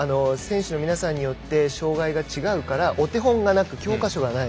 選手の皆さんによって障がいが違うからお手本がなく教科書がない。